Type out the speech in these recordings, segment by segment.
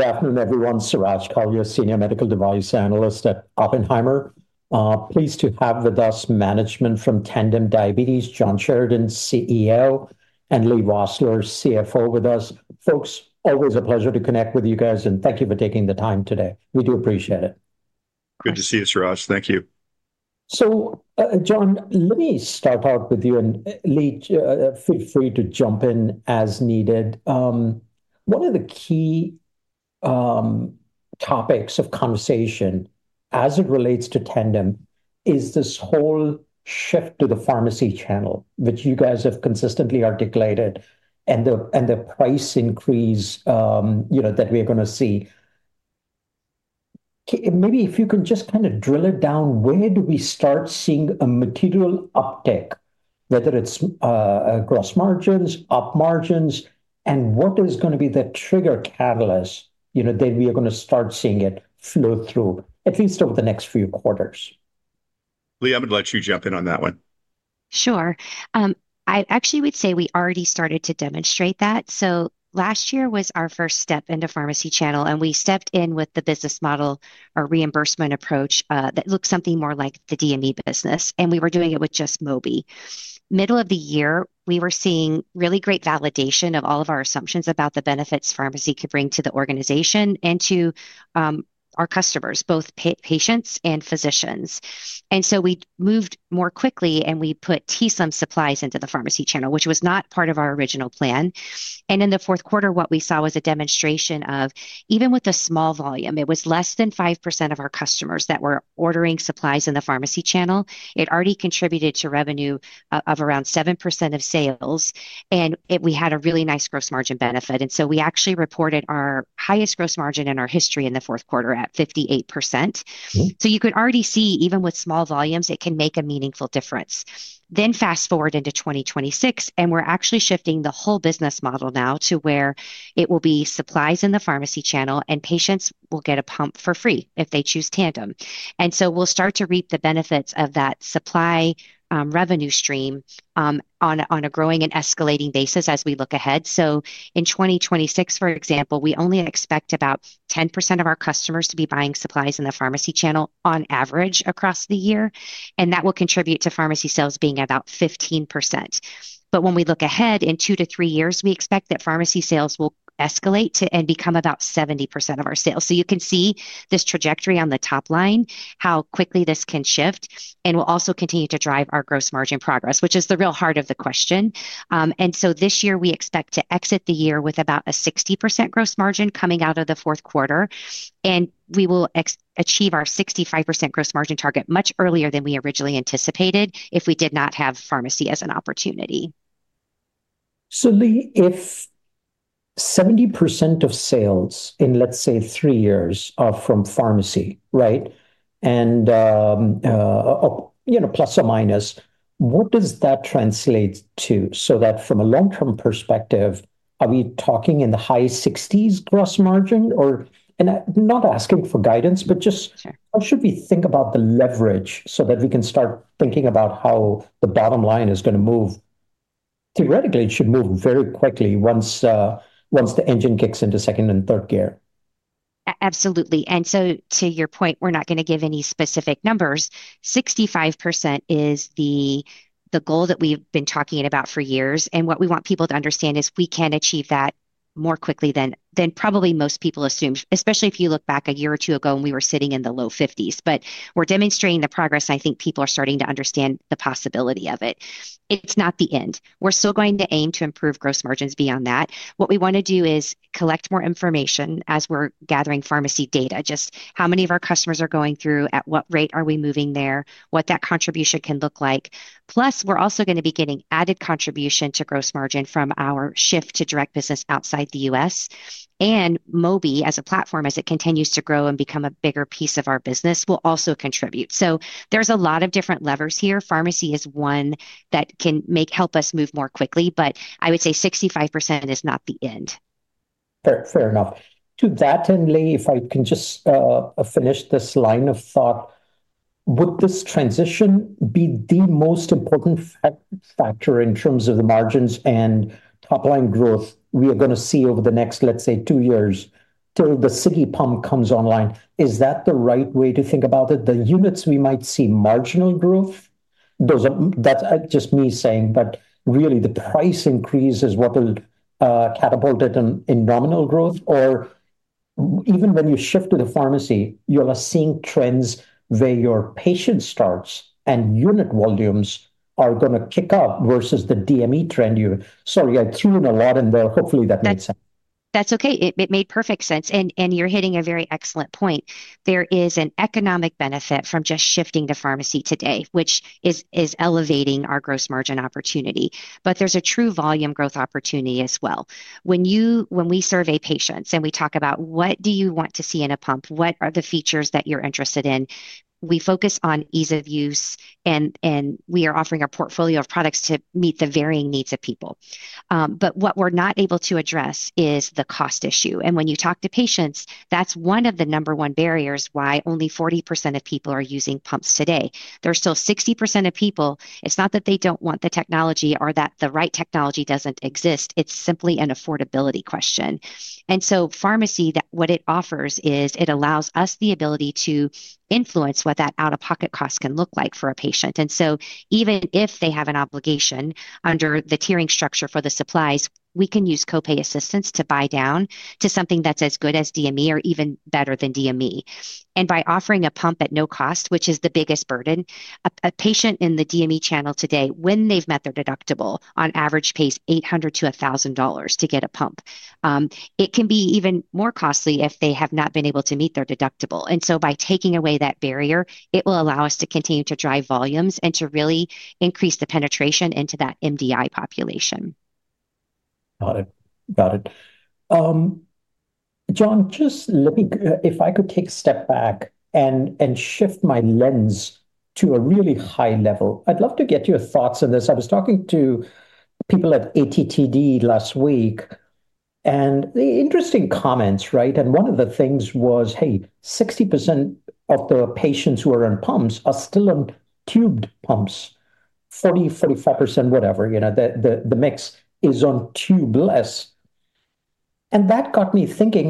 Good afternoon, everyone. Suraj Kalia, Senior Medical Device Analyst at Oppenheimer. Pleased to have with us management from Tandem Diabetes, John Sheridan, CEO, and Leigh Vosseller, CFO, with us. Folks, always a pleasure to connect with you guys, and thank you for taking the time today. We do appreciate it. Good to see you, Suraj. Thank you. John, let me start out with you, and, Leigh, feel free to jump in as needed. One of the key topics of conversation as it relates to Tandem is this whole shift to the pharmacy channel, which you guys have consistently articulated, and the price increase, you know, that we're gonna see. Maybe if you can just kinda drill it down, where do we start seeing a material uptick, whether it's gross margins, op margins, and what is gonna be the trigger catalyst, you know, that we are gonna start seeing it flow through at least over the next few quarters? Leigh, I'm gonna let you jump in on that one. Sure. I actually would say we already started to demonstrate that. Last year was our first step into pharmacy channel, and we stepped in with the business model or reimbursement approach, that looks something more like the DME business, and we were doing it with just Mobi. Middle of the year, we were seeing really great validation of all of our assumptions about the benefits pharmacy could bring to the organization and to our customers, both patients and physicians. We moved more quickly, and we put t:slim supplies into the pharmacy channel, which was not part of our original plan. In the Q4, what we saw was a demonstration of even with the small volume, it was less than 5% of our customers that were ordering supplies in the pharmacy channel. It already contributed to revenue of around 7% of sales, we had a really nice gross margin benefit. we actually reported our highest gross margin in our history in the Q4 at 58%. You can already see, even with small volumes, it can make a meaningful difference. Fast-forward into 2026, and we're actually shifting the whole business model now to where it will be supplies in the pharmacy channel, and patients will get a pump for free if they choose Tandem. We'll start to reap the benefits of that supply revenue stream on a growing and escalating basis as we look ahead. In 2026, for example, we only expect about 10% of our customers to be buying supplies in the pharmacy channel on average across the year, and that will contribute to pharmacy sales being about 15%. When we look ahead, in two to three years, we expect that pharmacy sales will escalate to and become about 70% of our sales you can see this trajectory on the top line, how quickly this can shift, and will also continue to drive our gross margin progress, which is the real heart of the question. This year we expect to exit the year with about a 60% gross margin coming out of the Q4, and we will achieve our 65% gross margin target much earlier than we originally anticipated if we did not have pharmacy as an opportunity. Leigh, if 70% of sales in, let's say, three years are from pharmacy, right? You know, plus or minus, what does that translate to? That from a long-term perspective, are we talking in the high 60s% gross margin or. I'm not asking for guidance but just- Sure How should we think about the leverage so that we can start thinking about how the bottom line is gonna move? Theoretically, it should move very quickly once the engine kicks into second and third gear. Absolutely. To your point, we're not gonna give any specific numbers. 65% is the goal that we've been talking about for years what we want people to understand is we can achieve that more quickly than probably most people assume, especially if you look back a year or two ago when we were sitting in the low 50%. We're demonstrating the progress, and I think people are starting to understand the possibility of it. It's not the end. We're still going to aim to improve gross margins beyond that. What we wanna do is collect more information as we're gathering pharmacy data, just how many of our customers are going through, at what rate are we moving there, what that contribution can look like. Plus, we're also gonna be getting added contribution to gross margin from our shift to direct business outside the US. Mobi, as a platform, as it continues to grow and become a bigger piece of our business, will also contribute. There's a lot of different levers here. Pharmacy is one that can help us move more quickly, but I would say 65% is not the end. Fair enough. To that end, Leigh, if I can just finish this line of thought. Would this transition be the most important factor in terms of the margins and top-line growth we are gonna see over the next, let's say, two years till the Sigi pump comes online? Is that the right way to think about it? The units we might see marginal growth. That's just me saying, but really the price increase is what will catapult it in nominal growth. Or even when you shift to the pharmacy, you are seeing trends where your patient starts and unit volumes are gonna kick up versus the DME trend. Sorry, I threw in a lot in there hopefully, that made sense. That's okay. It made perfect sense, and you're hitting a very excellent point. There is an economic benefit from just shifting to pharmacy today, which is elevating our gross margin opportunity, but there's a true volume growth opportunity as well. When we survey patients, and we talk about what do you want to see in a pump? What are the features that you're interested in? We focus on ease of use, and we are offering a portfolio of products to meet the varying needs of people. But what we're not able to address is the cost issue when you talk to patients, that's one of the number one barriers why only 40% of people are using pumps today. There are still 60% of people, it's not that they don't want the technology or that the right technology doesn't exist, it's simply an affordability question. The pharmacy channel what it offers is it allows us the ability to influence what that out-of-pocket cost can look like for a patient. Even if they have an obligation under the tiering structure for the supplies, we can use co-pay assistance to buy down to something that's as good as DME or even better than DME. By offering a pump at no cost, which is the biggest burden, a patient in the DME channel today, when they've met their deductible, on average pays $800 to 1,000 to get a pump. It can be even more costly if they have not been able to meet their deductible by taking away that barrier, it will allow us to continue to drive volumes and to really increase the penetration into that MDI population. Got it. John, just let me if I could take a step back and shift my lens to a really high level i'd love to get your thoughts on this i was talking to people at ATTD last week, and they interesting comments, right? One of the things was, "Hey, 60% of the patients who are on pumps are still on tubed pumps. 40%, 45%, whatever, you know, the mix is on tubeless." That got me thinking,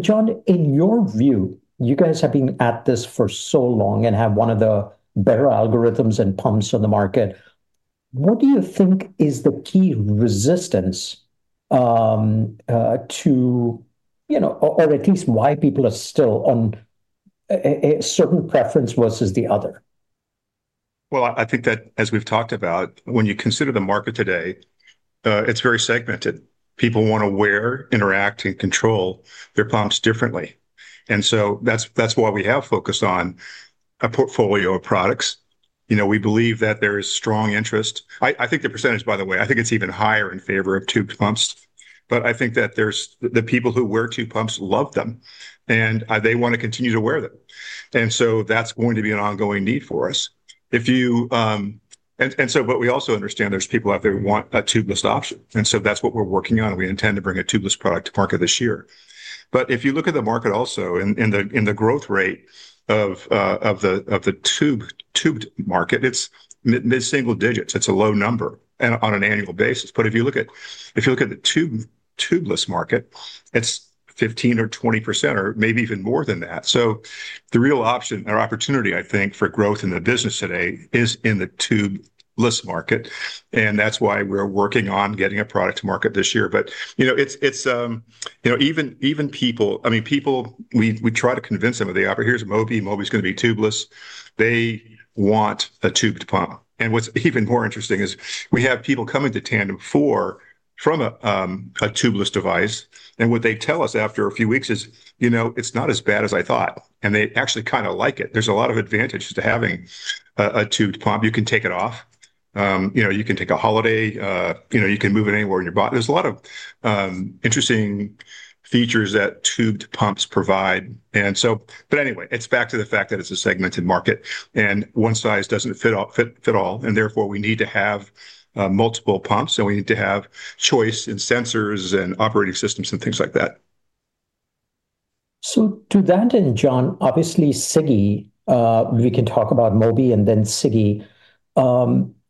John, in your view, you guys have been at this for so long and have one of the better algorithms and pumps on the market. What do you think is the key resistance? to, you know, or at least why people are still on a certain preference versus the other? Well, I think that as we've talked about, when you consider the market today, it's very segmented. People want to wear, interact, and control their pumps differently. That's why we have focused on a portfolio of products. You know, we believe that there is strong interest. I think the percentage, by the way, I think it's even higher in favor of tubed pumps. But I think that there's the people who wear tubed pumps love them, and they want to continue to wear them. That's going to be an ongoing need for us. But we also understand there's people out there who want a tubeless option, and so that's what we're working on we intend to bring a tubeless product to market this year. If you look at the market also in the growth rate of the tubed market, it's mid-single digits it's a low number on an annual basis if you look at the tubeless market, it's 15% or 20% or maybe even more than that. The real option or opportunity, I think, for growth in the business today is in the tubeless market, and that's why we're working on getting a product to market this year. You know, it's you know, even people, I mean, people we try to convince them of the offer. "Here's Mobi. Mobi is gonna be tubeless." They want a tubed pump. What's even more interesting is we have people coming to Tandem from a tubeless device, and what they tell us after a few weeks is, "You know, it's not as bad as I thought." They actually kinda like it there's a lot of advantages to having a tubed pump you can take it off. You know, you can take a holiday. You know, you can move it anywhere there's a lot of interesting, features that tubed pumps provide. But anyway, it's back to the fact that it's a segmented market, and one size doesn't fit all, and therefore, we need to have multiple pumps, and we need to have choice in sensors and operating systems and things like that. To that end, John, obviously Sigi, we can talk about Mobi and then Sigi.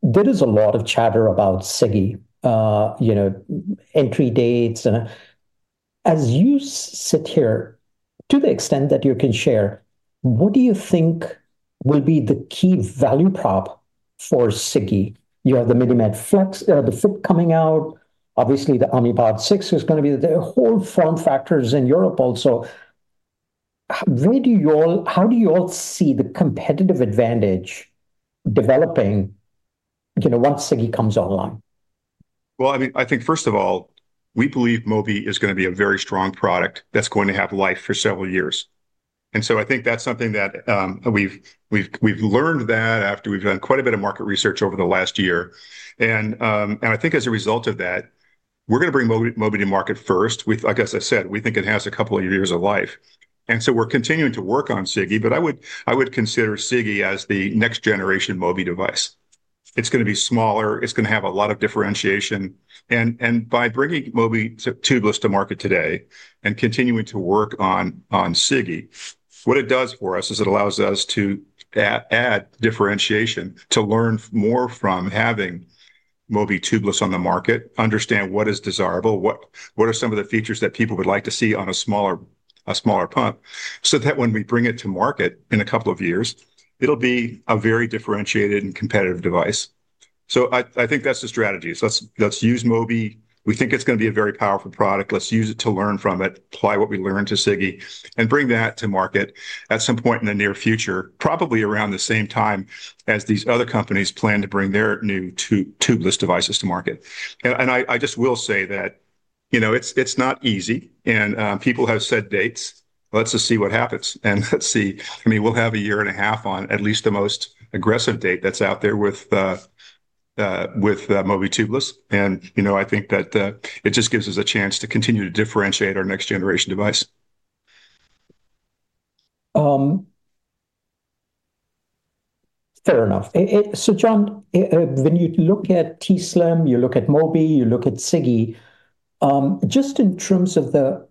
There is a lot of chatter about Sigi, you know, entry dates. As you sit here, to the extent that you can share, what do you think will be the key value prop for Sigi? You have the MiniMed Flex, the Flip coming out. Obviously, the Omnipod 6 is gonna be the whole form factors in Europe also. Where do you all, how do you all see the competitive advantage developing, you know, once Sigi comes online? Well, I mean, I think first of all, we believe Mobi is gonna be a very strong product that's going to have life for several years. I think that's something that we've learned that after we've done quite a bit of market research over the last year. I think as a result of that, we're gonna bring Mobi to market first like, as I said, we think it has a couple of years of life, and so we're continuing to work on Sigi, but I would consider Sigi as the next generation Mobi device. It's gonna be smaller it's gonna have a lot of differentiation. By bringing Mobi tubeless to market today and continuing to work on Sigi, what it does for us is it allows us to add differentiation, to learn more from having Mobi tubeless on the market, understand what is desirable, what are some of the features that people would like to see on a smaller pump, so that when we bring it to market in a couple of years, it'll be a very differentiated and competitive device. I think that's the strategy let's use Mobi. We think it's gonna be a very powerful product let's use it to learn from it, apply what we learn to Sigi, and bring that to market at some point in the near future, probably around the same time as these other companies plan to bring their new tubeless devices to market. I just will say that. You know, it's not easy, and people have set dates. Let's just see what happens, and let's see. I mean, we'll have a year and a half on at least the most aggressive date that's out there with Mobi tubeless. You know, I think that it just gives us a chance to continue to differentiate our next generation device. Fair enough. John, when you look at t:slim, you look at Mobi, you look at Sigi, just in terms of the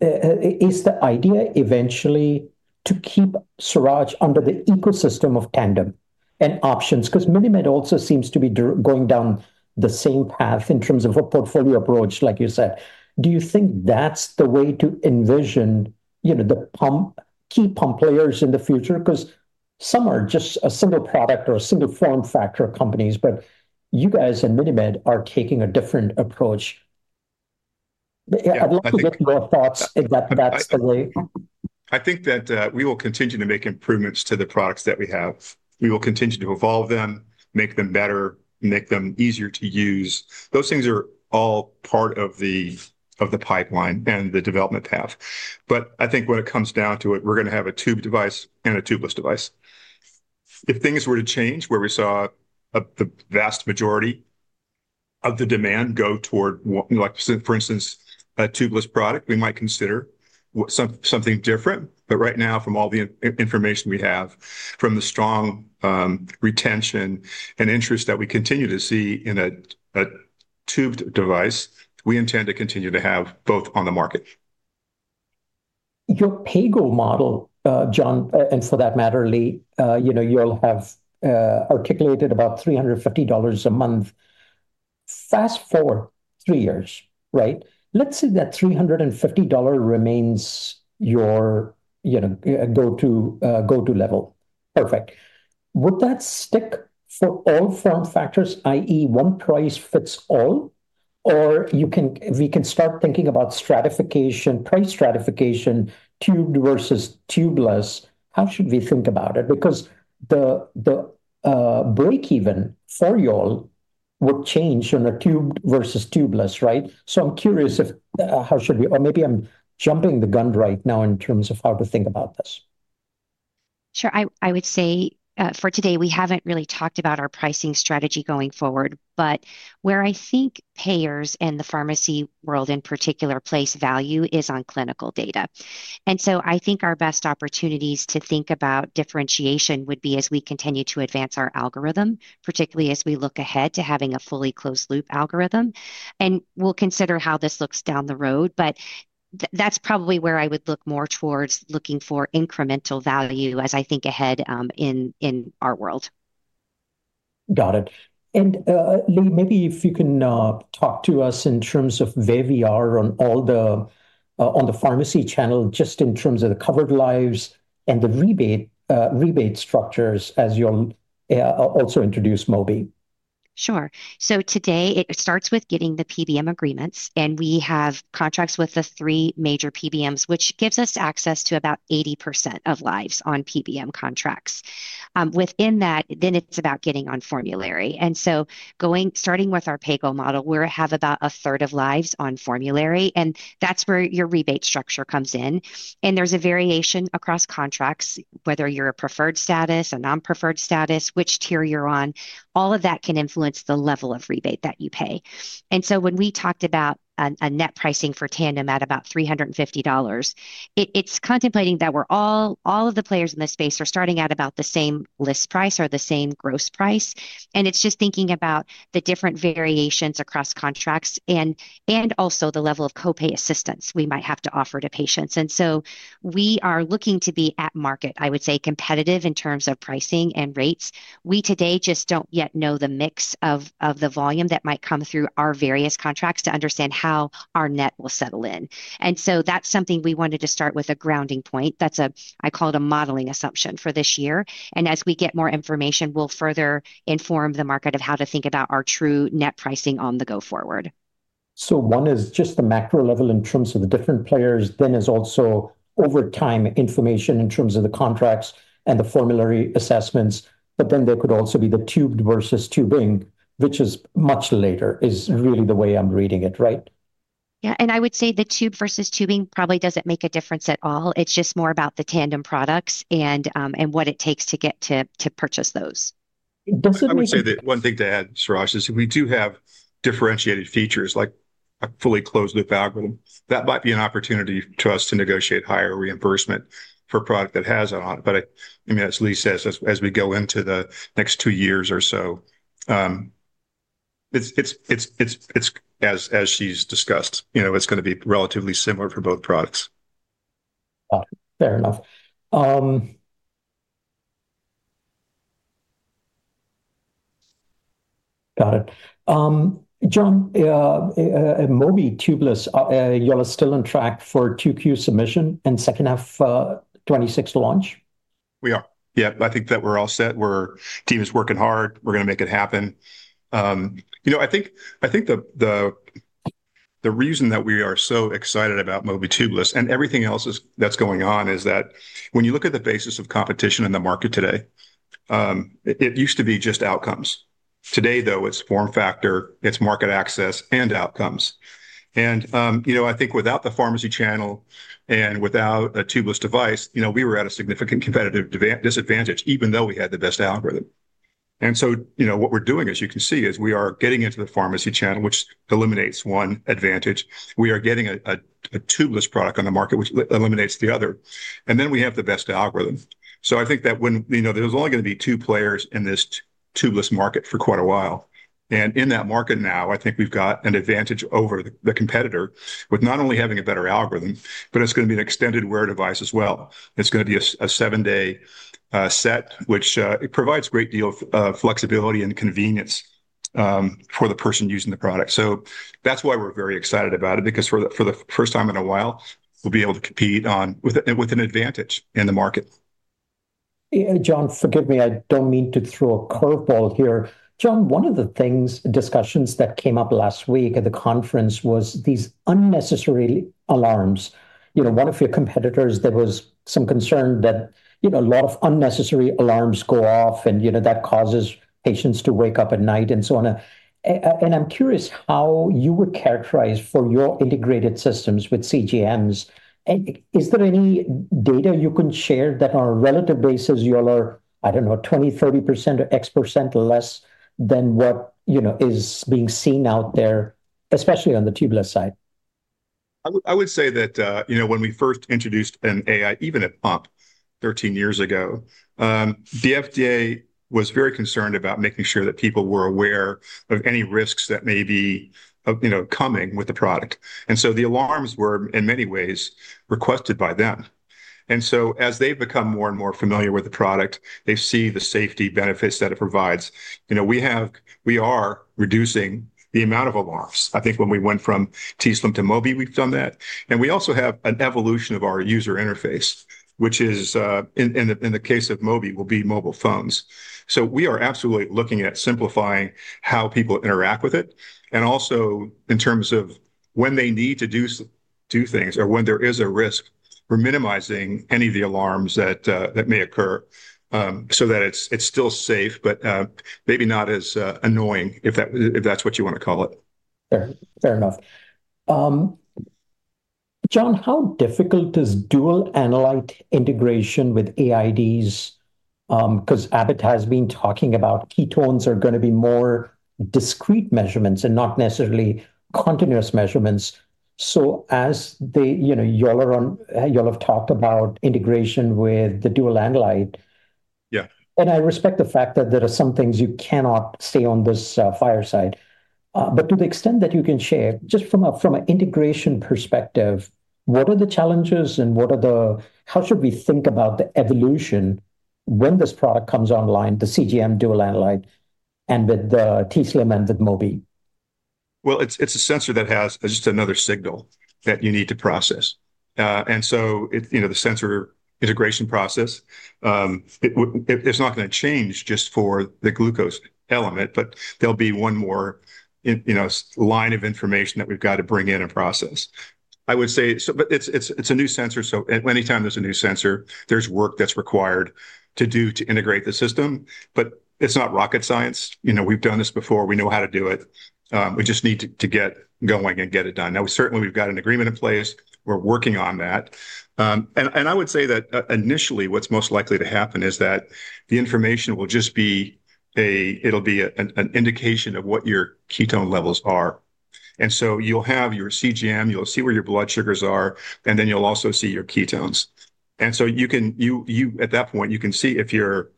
is the idea eventually to keep users under the ecosystem of Tandem and options because MiniMed also seems to be going down the same path in terms of a portfolio approach, like you said. Do you think that's the way to envision, you know, the key pump players in the future? Because some are just a single product or a single form factor companies, but you guys and MiniMed are taking a different approach. Yeah, I think. I'd love to get your thoughts if that's the way. I think that we will continue to make improvements to the products that we have. We will continue to evolve them, make them better, make them easier to use. Those things are all part of the pipeline and the development path. I think when it comes down to it, we're gonna have a tube device and a tubeless device. If things were to change where we saw the vast majority, of the demand go toward, like, for instance, a tubeless product, we might consider something different right now, from all the information we have, from the strong retention and interest that we continue to see in a tubed device, we intend to continue to have both on the market. Your Pay-as-you-go model, John, and for that matter, Leigh, you know, you'll have articulated about $350 a month. Fast forward three years, right? Let's say that $350 remains your, you know, go to level. Perfect. Would that stick for all form factors, i.e., one price fits all? Or we can start thinking about stratification, price stratification, tubed versus tubeless. How should we think about it? Because the break even for y'all would change on a tubed versus tubeless, right? I'm curious, how should we think about it or maybe I'm jumping the gun right now in terms of how to think about this. Sure. I would say for today, we haven't really talked about our pricing strategy going forward, but where I think payers and the pharmacy world in particular place value is on clinical data. I think our best opportunities to think about differentiation would be as we continue to advance our algorithm, particularly as we look ahead to having a fully closed loop algorithm, and we'll consider how this looks down the road. That's probably where I would look more towards looking for incremental value as I think ahead, in our world. Got it. Leigh, maybe if you can talk to us in terms of where we are on the pharmacy channel, just in terms of the covered lives and the rebate structures as you also introduce Mobi. Sure. Today it starts with getting the PBM agreements, and we have contracts with the three major PBMs, which gives us access to about 80% of lives on PBM contracts. Within that, it's about getting on formulary. Starting with our Pay-as-you-go model, we have about a third of lives on formulary, and that's where your rebate structure comes in. There's a variation across contracts, whether you're a preferred status, a non-preferred status, which tier you're on, all of that can influence the level of rebate that you pay. When we talked about a net pricing for Tandem at about $350, it's contemplating that all of the players in this space are starting at about the same list price or the same gross price. It's just thinking about the different variations across contracts and also the level of co-pay assistance we might have to offer to patients. We are looking to be at market, I would say, competitive in terms of pricing and rates. We today just don't yet know the mix of the volume that might come through our various contracts to understand how our net will settle in. That's something we wanted to start with a grounding point that's a, I call it a modeling assumption for this year. As we get more information, we'll further inform the market of how to think about our true net pricing on the go forward. One is just the macro level in terms of the different players, then is also over time information in terms of the contracts and the formulary assessments. There could also be the tubed versus tubeless, which is much later, is really the way I'm reading it, right? Yeah, I would say the tube versus tubing probably doesn't make a difference at all it's just more about the Tandem products and what it takes to get to purchase those. Does it make- I would say that one thing to add, Suraj, is we do have differentiated features like a fully closed loop algorithm. That might be an opportunity to us to negotiate higher reimbursement for a product that has it on. I mean, as Leigh says, as we go into the next two years or so, it's as she's discussed, you know, it's gonna be relatively similar for both products. Got it. Fair enough. Got it. John, Mobi tubeless, y'all are still on track for Q2 submission and second half 2026 launch? We are. Yeah. I think that we're all set our team is working hard. We're gonna make it happen. You know, I think the reason that we are so excited about Mobi tubeless and everything else that's going on is that when you look at the basis of competition in the market today, it used to be just outcomes. Today, though, it's form factor, it's market access and outcomes. You know, I think without the pharmacy channel and without a tubeless device, you know, we were at a significant competitive disadvantage even though we had the best algorithm. You know, what we're doing, as you can see, is we are getting into the pharmacy channel, which eliminates one advantage. We are getting a tubeless product on the market, which eliminates the tether, and then we have the best algorithm. I think you know, there's only gonna be two players in this tubeless market for quite a while. In that market now, I think we've got an advantage over the competitor with not only having a better algorithm, but it's gonna be an extended wear device as well. It's gonna be a seven-day set, which it provides a great deal of flexibility and convenience for the person using the product. That's why we're very excited about it because for the first time in a while, we'll be able to compete with an advantage in the market. Yeah, John, forgive me i don't mean to throw a curveball here. John, one of the things, discussions that came up last week at the conference was these unnecessary alarms. You know, one of your competitors, there was some concern that, you know, a lot of unnecessary alarms go off and, you know, that causes patients to wake up at night and so on. I'm curious how you would characterize for your integrated systems with CGMs. Is there any data you can share that on a relative basis y'all are, I don't know, 20%, 30% or 10% less than what, you know, is being seen out there, especially on the tubeless side? I would say that, you know, when we first introduced an AID, even at pump 13 years ago, the FDA was very concerned about making sure that people were aware of any risks that may be, you know, coming with the product. The alarms were in many ways requested by them. As they've become more and more familiar with the product, they see the safety benefits that it provides. You know, we are reducing the amount of alarms. I think when we went from t:slim to Mobi, we've done that. We also have an evolution of our user interface, which is, in the case of Mobi, will be mobile phones. We are absolutely looking at simplifying how people interact with it, and also in terms of when they need to do things or when there is a risk, we're minimizing any of the alarms that may occur, so that it's still safe, but maybe not as annoying, if that's what you wanna call it. Fair enough. John, how difficult is dual analyte integration with AIDs? 'Cause Abbott has been talking about ketones are gonna be more discrete measurements and not necessarily continuous measurements. You know, y'all have talked about integration with the dual analyte. Yeah. I respect the fact that there are some things you cannot say on this fireside. But to the extent that you can share, just from a integration perspective, what are the challenges and how should we think about the evolution when this product comes online, the CGM dual analyte and with the t:slim and with Mobi? Well, it's a sensor that has just another signal that you need to process. You know, the sensor integration process, it's not gonna change just for the glucose element, but there'll be one more line of information that we've got to bring in and process. I would say, it's a new sensor, so anytime there's a new sensor, there's work that's required to do to integrate the system, but it's not rocket science. You know, we've done this before we know how to do it. We just need to get going and get it done now, certainly we've got an agreement in place. We're working on that. I would say that initially, what's most likely to happen is that the information will just be a. It'll be an indication of what your ketone levels are. You'll have your CGM, you'll see where your blood sugars are, and then you'll also see your ketones. At that point, you can see if you're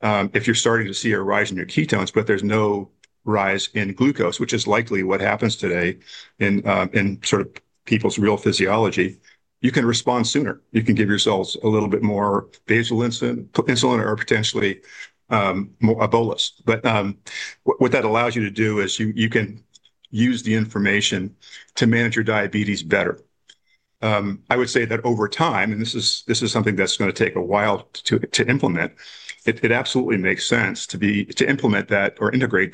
starting to see a rise in your ketones, but there's no rise in glucose, which is likely what happens today in sort of people's real physiology. You can respond sooner. You can give yourselves a little bit more basal insulin or potentially more a bolus. What that allows you to do is you can use the information to manage your diabetes better. I would say that over time, this is something that's gonna take a while to implement. It absolutely makes sense to implement that or integrate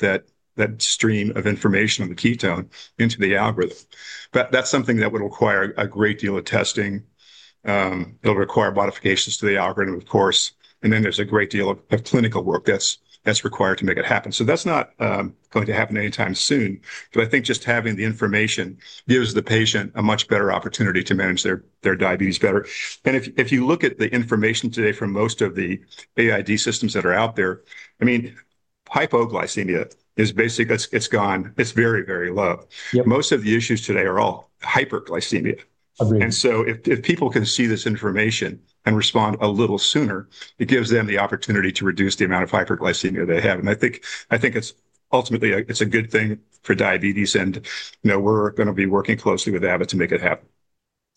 that stream of information on the ketone into the algorithm. That's something that would require a great deal of testing. It'll require modifications to the algorithm, of course. Then there's a great deal of clinical work that's required to make it happen that's not going to happen anytime soon. I think just having the information gives the patient a much better opportunity to manage their diabetes better. If you look at the information today from most of the AID systems that are out there, I mean, hypoglycemia is basic. It's gone. It's very low. Yep. Most of the issues today are all hyperglycemia. Agreed. If people can see this information and respond a little sooner, it gives them the opportunity to reduce the amount of hyperglycemia they have i think it's ultimately a good thing for diabetes, you know, we're gonna be working closely with Abbott to make it happen.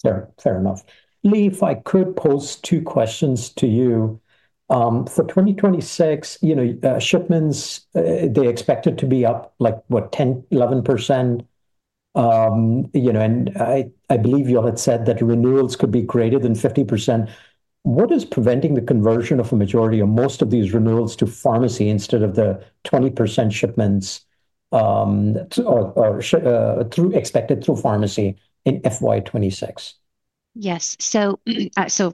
Fair enough. Leigh, if I could pose two questions to you. For 2026, you know, shipments, they expect it to be up like what? 10%, 11%. You know, I believe y'all had said that renewals could be greater than 50%. What is preventing the conversion of a majority or most of these renewals to pharmacy instead of the 20% shipments expected through pharmacy in FY 2026? Yes.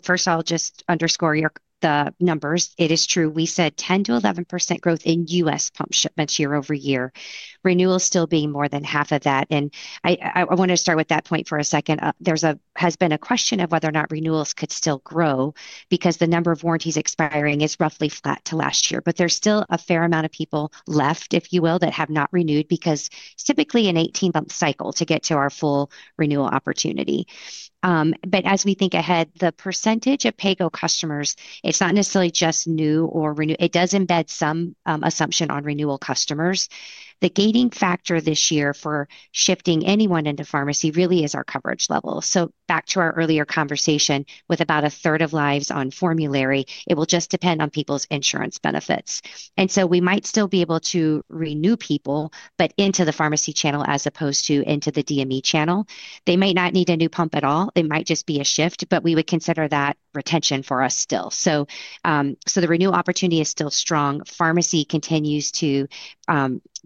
First I'll just underscore your, the numbers. It is true, we said 10% to 11% growth in U.S. pump shipments year-over-year, renewals still being more than half of that. I wanna start with that point for a second there's been a question of whether or not renewals could still grow. Because the number of warranties expiring is roughly flat to last year there's still a fair amount of people left, if you will, that have not renewed because it's typically an 18-month cycle to get to our full renewal opportunity. As we think ahead, the percentage of pay-go customers, it's not necessarily just new or renew it does embed some assumption on renewal customers. The gating factor this year for shifting anyone into pharmacy really is our coverage level. Back to our earlier conversation, with about a third of lives on formulary, it will just depend on people's insurance benefits. We might still be able to renew people, but into the pharmacy channel as opposed to into the DME channel. They might not need a new pump at all, it might just be a shift, but we would consider that retention for us still. The renewal opportunity is still strong. Pharmacy continues to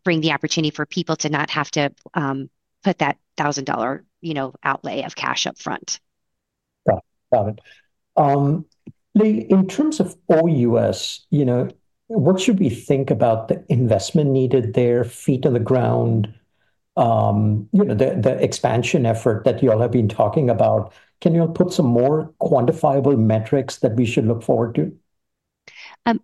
bring the opportunity for people to not have to put that $1,000, you know, outlay of cash up front. Right. Got it. Leigh, in terms of OUS, you know, what should we think about the investment needed there, feet on the ground, you know, the expansion effort that you all have been talking about? Can you put some more quantifiable metrics that we should look forward to?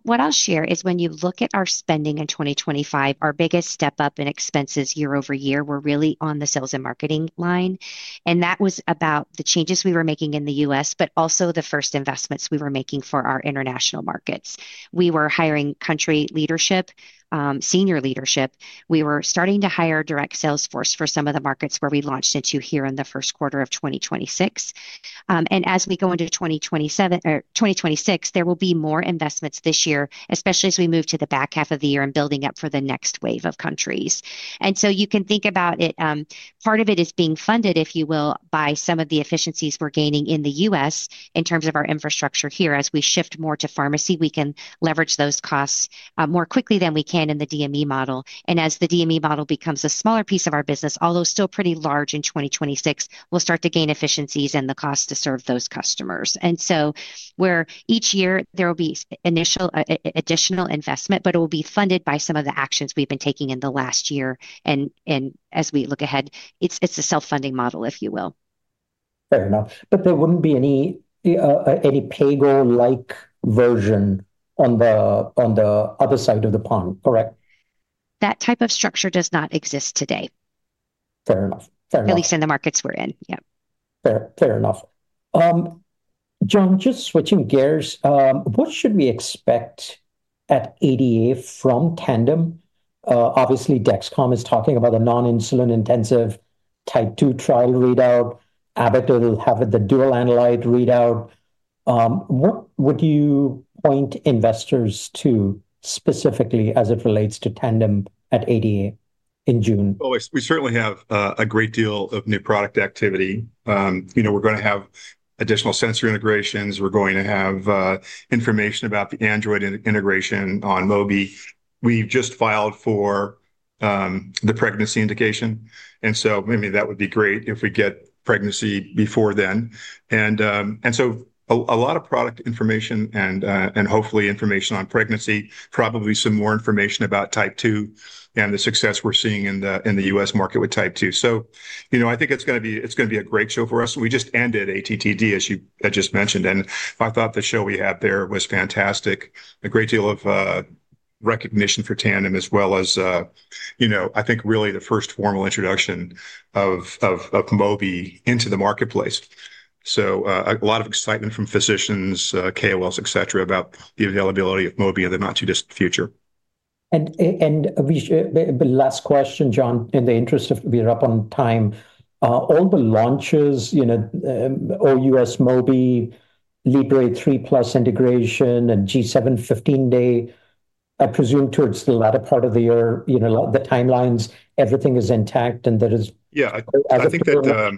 What I'll share is when you look at our spending in 2025, our biggest step up in expenses year-over-year were really on the sales and marketing line, and that was about the changes we were making in the U.S., but also the first investments we were making for our international markets. We were hiring country leadership, senior leadership. We were starting to hire direct sales force for some of the markets where we launched into here in the Q1 of 2026. As we go into 2027, or 2026, there will be more investments this year, especially as we move to the back half of the year and building up for the next wave of countries. You can think about it, part of it is being funded, if you will, by some of the efficiencies we're gaining in the U.S. in terms of our infrastructure here as we shift more to pharmacy, we can leverage those costs more quickly than we can in the DME model. As the DME model becomes a smaller piece of our business, although still pretty large in 2026, we'll start to gain efficiencies in the cost to serve those customers. Each year there will be initial additional investment, but it will be funded by some of the actions we've been taking in the last year. As we look ahead, it's a self-funding model, if you will. Fair enough. There wouldn't be any pay-go like version on the other side of the pond, correct? That type of structure does not exist today. Fair enough. At least in the markets we're in. Yeah. Fair enough. John, just switching gears, what should we expect at ADA from Tandem? Obviously Dexcom is talking about a non-insulin intensive Type 2 trial readout. Abbott will have the dual analyte readout. What would you point investors to specifically as it relates to Tandem at ADA in June? Oh, we certainly have a great deal of new product activity. You know, we're gonna have additional sensor integrations we're going to have information about the Android integration on Mobi. We've just filed for the pregnancy indication, I mean, that would be great if we get pregnancy before then. A lot of product information and hopefully information on pregnancy, probably some more information about Type 2 and the success we're seeing in the U.S. market with Type 2. You know, I think it's gonna be a great show for us we just ended ATTD, as you had just mentioned, and I thought the show we had there was fantastic. A great deal of recognition for Tandem as well as, you know, I think really the first formal introduction of Mobi into the marketplace. A lot of excitement from physicians, KOLs, et cetera, about the availability of Mobi in the not too distant future. The last question, John, in the interest of we are up on time. All the launches, you know, OUS Mobi, Libre 3 Plus integration, and G7 15-day, I presume towards the latter part of the year, you know, the timelines, everything is intact, and that is. Yeah. I think that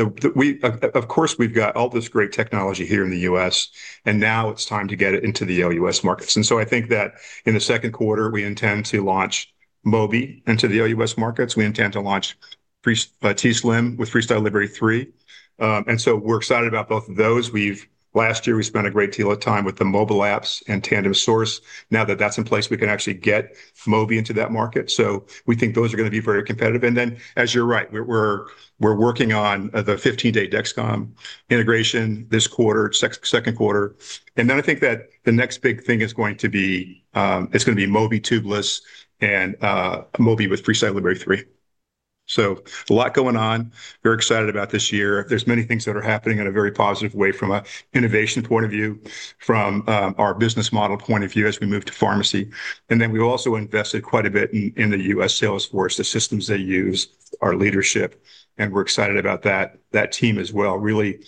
of course, we've got all this great technology here in the US, and now it's time to get it into the OUS markets i think that in the Q2 we intend to launch Mobi into the OUS markets we intend to launch t:slim with FreeStyle Libre 3. We're excited about both of those. Last year we spent a great deal of time with the mobile apps and Tandem Source. Now that that's in place, we can actually get Mobi into that market. We think those are gonna be very competitive. As you're right, we're working on the 15-day Dexcom integration this quarter, Q2. I think that the next big thing is going to be, it's gonna be Mobi tubeless and, Mobi with FreeStyle Libre 3. A lot going on. Very excited about this year. There's many things that are happening in a very positive way from a innovation point of view, from, our business model point of view as we move to pharmacy. We've also invested quite a bit in the U.S. sales force, the systems they use, our leadership, and we're excited about that team as well, really,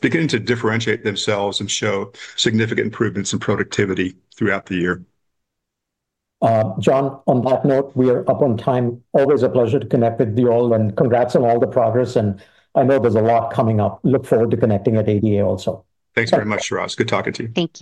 beginning to differentiate themselves and show significant improvements in productivity throughout the year. John, on that note, we are up on time. Always a pleasure to connect with you all, and congrats on all the progress, and I know there's a lot coming up. Look forward to connecting at ADA also. Thanks very much, Suraj. Good talking to you. Thank you.